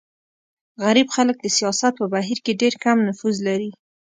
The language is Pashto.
غریب خلک د سیاست په بهیر کې ډېر کم نفوذ لري.